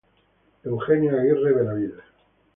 Eugenio Aguirre Benavides.